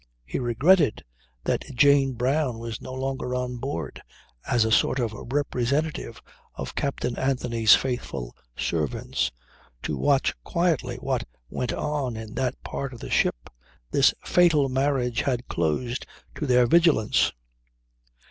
He regretted that Jane Brown was no longer on board as a sort of representative of Captain Anthony's faithful servants, to watch quietly what went on in that part of the ship this fatal marriage had closed to their vigilance.